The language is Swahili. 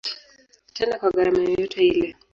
Tena kwa gharama yoyote ile.